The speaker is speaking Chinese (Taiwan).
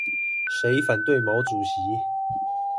誰反對毛主席